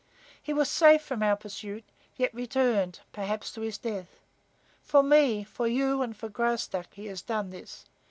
He was safe from our pursuit, yet returned, perhaps to his death. For me, for you and for Graustark he has done this.